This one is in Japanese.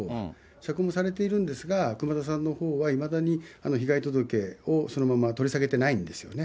釈放されているんですが、熊田さんのほうはいまだに被害届をそのまま取り下げてないんですよね。